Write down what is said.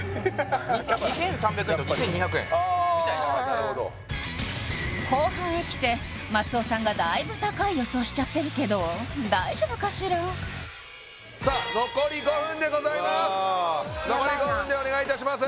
なるほど後半へきて松尾さんがだいぶ高い予想しちゃってるけど大丈夫かしらさあ残り５分でございます残り５分でお願いいたします